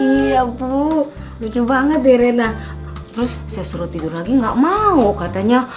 iya bu lucu banget deh rena terus saya suruh tidur lagi nggak mau katanya